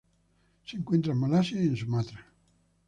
Se encuentra en Malasia y en Sumatra.